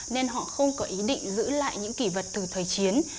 nên họ không có ý định giữ lại những kỷ vật từ thời chiến